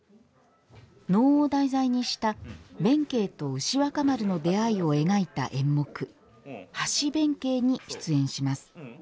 能を題材にした弁慶と牛若丸の出会いを描いた演目「橋弁慶」に出演します。